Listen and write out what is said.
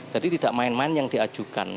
jadi tidak main main yang diajukan